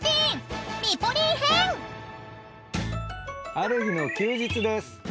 ある日の休日です。